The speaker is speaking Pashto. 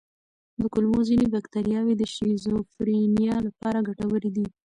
د کولمو ځینې بکتریاوې د شیزوفرینیا لپاره ګټورې دي.